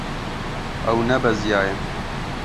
Ew nebeziyaye.